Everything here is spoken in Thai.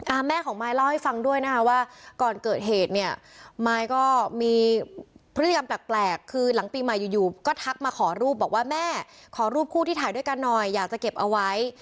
แม่ของมายเล่าให้ฟังด้วยนะคะว่าก่อนเกิดเหตุเนี่ยมายก็มีพฤติกรรมแปลกแปลกคือหลังปีใหม่อยู่อยู่ก็ทักมาขอรูปบอกว่าแม่ขอรูปคู่ที่ถ่ายด้วยกันหน่อยอยากจะเก็บเอาไว้